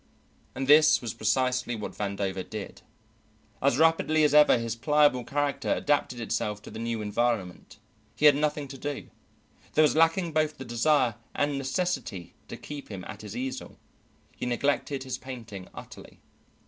And this was precisely what Vandover did. As rapidly as ever his pliable character adapted itself to the new environment; he had nothing to do; there was lacking both the desire and necessity to keep him at his easel; he neglected his painting utterly.